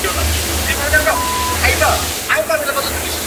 তাঁর অন্যতম বিখ্যাত গ্রন্থ হল "the rise of Islam and the Bengal frontier".